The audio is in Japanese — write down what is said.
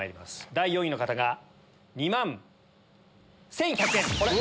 第４位の方が２万１１００円。